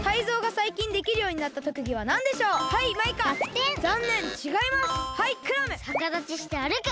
さかだちしてあるく！